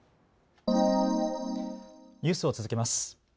ニュースを続けます。